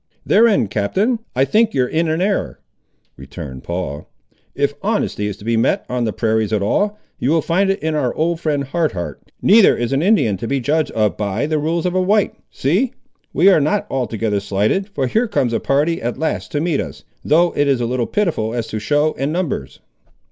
"Therein, Captain, I think you're in an error," returned Paul, "if honesty is to be met on the prairies at all, you will find it in our old friend Hard Heart; neither is an Indian to be judged of by the rules of a white. See! we are not altogether slighted, for here comes a party at last to meet us, though it is a little pitiful as to show and numbers."